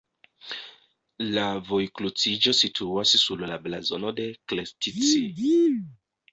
La vojkruciĝo situas sur la blazono de Krestci.